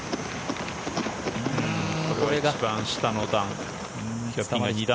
一番の下の段。